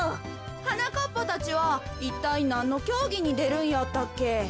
はなかっぱたちはいったいなんのきょうぎにでるんやったっけ？